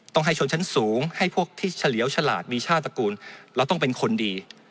ต้องให้ชนชั้นสูงให้พวกที่เฉลียวฉลาดมีชาติตระกูลเราต้องเป็นคนดี